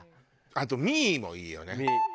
あと巳もいいよね。